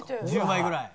１０枚ぐらい。